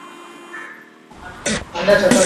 andaa chapati zako